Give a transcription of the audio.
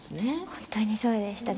本当にそうでした。